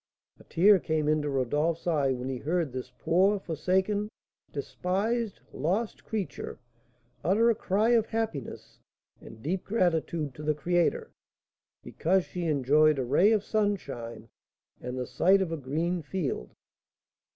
A tear came into Rodolph's eye when he heard this poor, forsaken, despised, lost creature utter a cry of happiness and deep gratitude to the Creator, because she enjoyed a ray of sunshine and the sight of a green field.